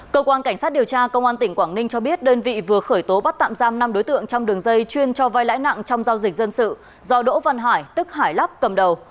cơ quan cảnh sát điều tra công an tỉnh quảng ninh cho biết đơn vị vừa khởi tố bắt tạm giam năm đối tượng trong đường dây chuyên cho vai lãi nặng trong giao dịch dân sự do đỗ văn hải tức hải lắp cầm đầu